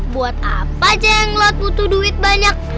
buat apa jenglot butuh duit banyak